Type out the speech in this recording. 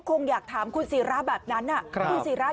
คงอยากถามคุณศิราแบบนั้นคุณศิรา